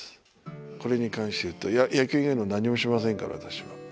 これに関して言うと野球以外の何にもしませんから私は。